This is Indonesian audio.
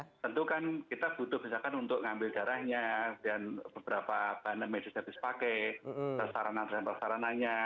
nah tentu kan kita butuh misalkan untuk mengambil darahnya dan beberapa bahan dan medis yang bisa dipakai persaranan persaranannya